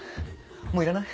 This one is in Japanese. もういらない？